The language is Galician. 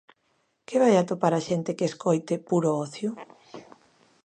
Que vai atopar a xente que escoite Puro Ocio?